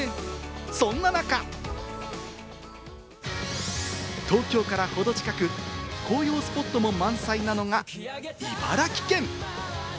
そんな中、東京からほど近く、紅葉スポットも満載なのが茨城県。